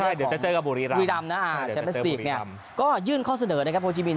ใช่เดี๋ยวจะเจอกับบุรีรามนะอ่าก็ยื่นข้อเสนอนะครับโฮจิมิน